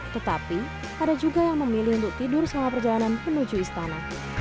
tetapi ada juga yang memilih untuk tidur selama perjalanan menuju istana